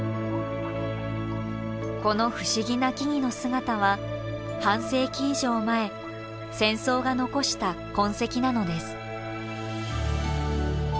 この不思議な木々の姿は半世紀以上前戦争が残した痕跡なのです。